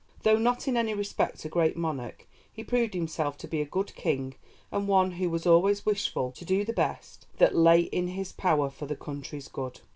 Though not in any respect a great monarch, he proved himself to be a good king and one who was always wishful to do the best that lay in his power for the country's good.